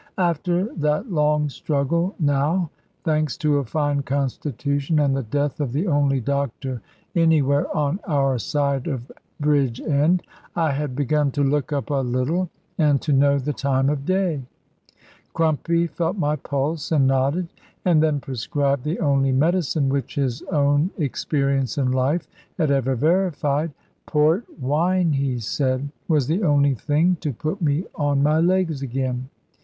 After that long struggle now (thanks to a fine constitution and the death of the only doctor anywhere on our side of Bridgend), I had begun to look up a little and to know the time of day. Crumpy felt my pulse, and nodded, and then prescribed the only medicine which his own experience in life had ever verified. Port wine, he said, was the only thing to put me on my legs again.